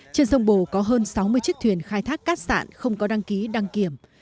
trên sông bồ có hơn sáu mươi chiếc thuyền khai thác cát sạn không có đăng ký đăng kiểm